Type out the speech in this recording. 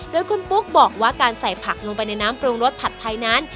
โดยคุณปุ๊กบอกว่าการใส่ผักลงไปในน้ำปรุงรสผัดไทยนั้น